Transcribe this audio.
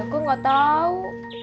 gue gak tau